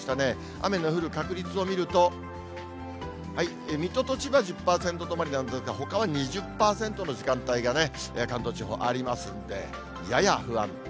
雨の降る確率を見ると、水戸と千葉、１０％止まりなんですが、ほかは２０％の時間帯がね、関東地方ありますんで、やや不安定。